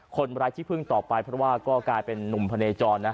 คนร้ายที่พึ่งต่อไปเพราะว่าก็กลายเป็นนุ่มพะเนจรนะ